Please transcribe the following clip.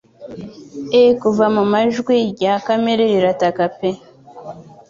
E'en kuva mu mva ijwi rya Kamere rirataka pe